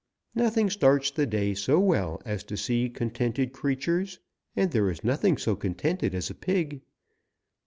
Nothing starts the day so well as to see contented creatures, and there is nothing so contented as a pig.